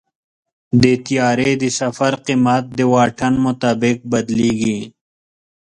د طیارې د سفر قیمت د واټن مطابق بدلېږي.